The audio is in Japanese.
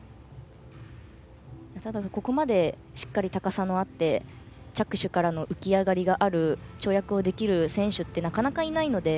ただ、ここまでしっかり高さもあって着手からの浮き上がりがある跳躍ができる選手はなかなかいないので。